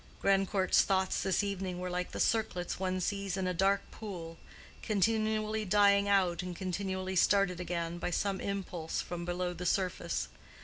Grandcourt's thoughts this evening were like the circlets one sees in a dark pool, continually dying out and continually started again by some impulse from below the surface.